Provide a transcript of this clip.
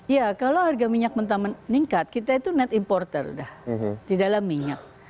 ya kalau harga minyak mentah meningkat kita itu net importer dah di dalam minyak